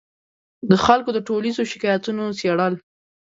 د خلکو د ټولیزو شکایتونو څېړل